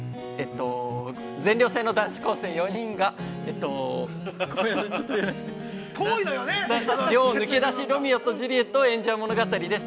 全寮制の男子校生４人が寮を抜け出し「ロミオとジュリエット」を演じ合う物語です。